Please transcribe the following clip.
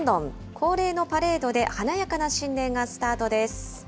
恒例のパレードで、華やかな新年がスタートです。